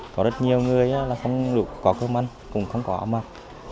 có rất nhiều người không có cơ măn cũng không có áo mặc